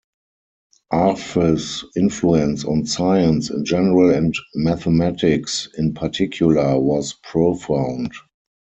Arf's influence on science in general and mathematics in particular was profound.